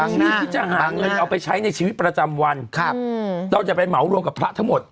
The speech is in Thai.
ที่จะหาเงินเอาไปใช้ในชีวิตประจำวันครับเราจะไปเหมารวมกับพระทั้งหมด